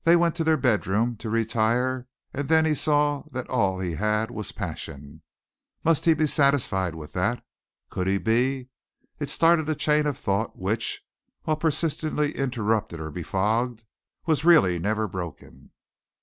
They went to their bed room to retire and then he saw that all he had was passion. Must he be satisfied with that? Could he be? It started a chain of thought which, while persistently interrupted or befogged, was really never broken.